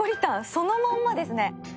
そのままですね。